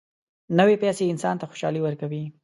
نوې پیسې انسان ته خوشالي ورکوي